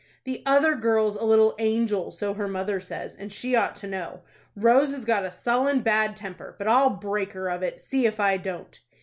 "The other girl's a little angel, so her mother says, and she ought to know. Rose has got a sullen, bad temper; but I'll break her of it, see if I don't."